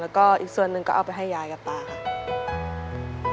แล้วก็อีกส่วนหนึ่งก็เอาไปให้ยายกับตาค่ะ